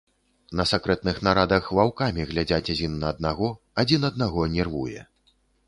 На сакрэтных нарадах ваўкамі глядзяць адзін на аднаго, адзін аднаго нервуе.